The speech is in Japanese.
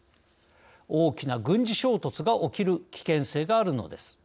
大きな軍事衝突が起きる危険性があるのです。